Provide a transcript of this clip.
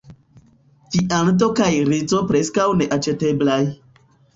Viando kaj rizo preskaŭ neaĉeteblaj.